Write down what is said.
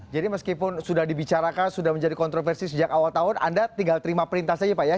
jadi meskipun sudah dibicarakan sudah menjadi kontroversi sejak awal tahun anda tinggal terima perintah saja pak ya